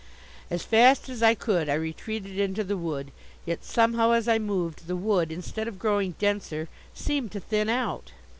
As fast as I could I retreated into the wood. Yet somehow, as I moved, the wood, instead of growing denser, seemed to thin out.